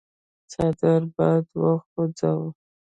څادر باد وخوځاوه.